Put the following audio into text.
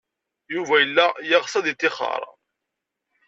Yuba yella yeɣs ad yettixer.